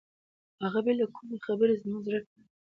هغه بې له کومې خبرې زما زړه ته ننوته.